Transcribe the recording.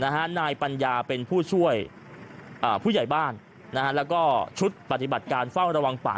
นายปัญญาเป็นผู้ช่วยผู้ใหญ่บ้านแล้วก็ชุดปฏิบัติการเฝ้าระวังป่า